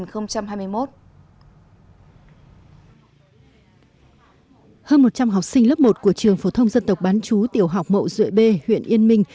hơn một trăm linh học sinh lớp một của trường phổ thông dân tộc bán chú tiểu học mậu duệ b huyện yên minh